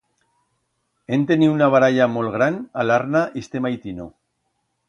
Hem teniu una baralla molt gran a l'arna iste maitino.